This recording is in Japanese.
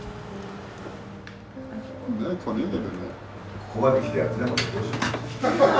ここまで来てやってなかったらどうしよう。